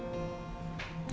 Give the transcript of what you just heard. justru membuat aku jadi